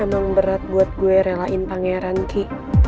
emang berat buat gue relain pangeran ki